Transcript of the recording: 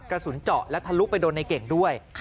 กระสุนเจาะและทะลุไปโดนในเก่งด้วย